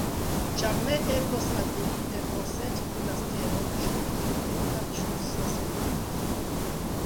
Ĉar ne eblos al ili interkonsenti pri la stelo, ĉu kvinpinta, ĉu sespinta.